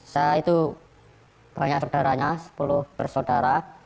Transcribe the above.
saya itu banyak saudaranya sepuluh bersaudara